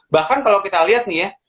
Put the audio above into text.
bahkan kalau kita lihat nih ya